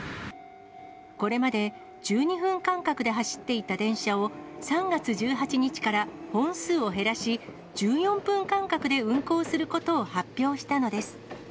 これまで、１２分間隔で走っていた電車を、３月１８日から本数を減らし、１４分間隔で運行することを発表したのです。